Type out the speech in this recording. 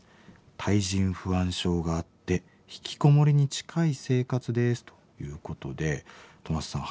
対人不安症があってひきこもりに近い生活です」ということでトマトさん